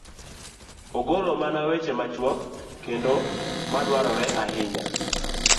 ogolo mana weche machuok kendo ma dwarore ahinya.